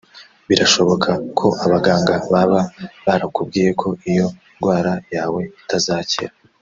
Birashoboka ko abaganga baba barakubwiye ko iyo ndwara yawe itazakira